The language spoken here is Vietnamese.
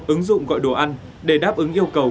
ứng dụng gọi đồ ăn để đáp ứng yêu cầu